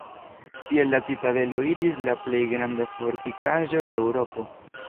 Tiel la citadelo iĝis la plej granda fortikaĵo de Eŭropo.